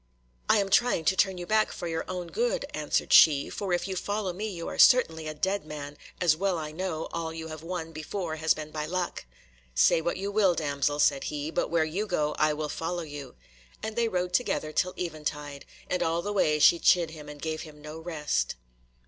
"I am trying to turn you back for your own good," answered she, "for if you follow me you are certainly a dead man, as well I know all you have won before has been by luck." "Say what you will, damsel," said he, "but where you go I will follow you," and they rode together till eventide, and all the way she chid him and gave him no rest.